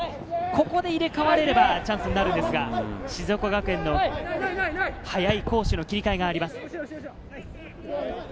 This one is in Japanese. ここで入れ替われればチャンスになるんですが、静岡学園の早い攻守の切り替えがあります。